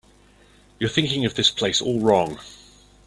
You're thinking of this place all wrong.